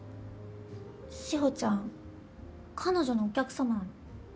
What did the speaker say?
志保ちゃん彼女のお客様なの。